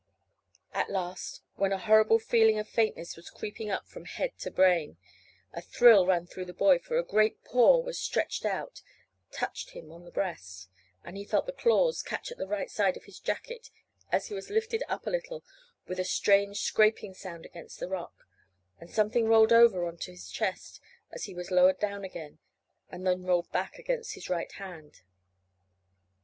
At last, when a horrible feeling of faintness was creeping up from head to brain, a thrill ran through the boy, for a great paw was stretched out, touched him on the breast, and he felt the claws catch in the right side of his jacket as he was lifted up a little with a strange scraping sound against the rock, and something rolled over on to his chest as he was lowered down again, and then rolled back against his right hand.